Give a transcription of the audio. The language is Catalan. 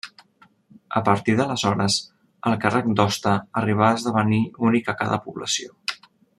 A partir d'aleshores, el càrrec d'hoste arribà a esdevenir únic a cada població.